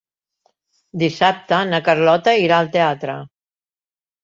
Dissabte na Carlota irà al teatre.